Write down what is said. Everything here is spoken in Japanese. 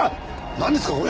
なんですか！？これ。